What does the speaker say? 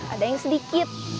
ada yang sedikit